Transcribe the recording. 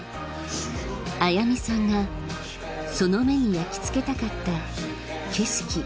あやみさんがその目に焼き付けたかった景色